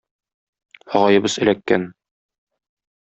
Агаебыз эләккән!